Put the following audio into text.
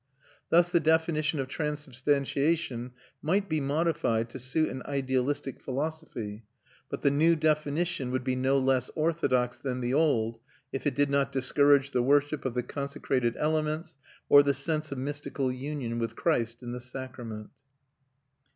Thus the definition of transubstantiation might be modified to suit an idealistic philosophy, but the new definition would be no less orthodox than the old if it did not discourage the worship of the consecrated elements or the sense of mystical union with Christ in the sacrament.